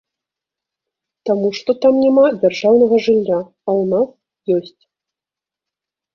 Таму што там няма дзяржаўнага жылля, а ў нас ёсць.